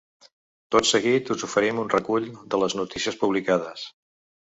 Tot seguit us oferim un recull de les notícies publicades.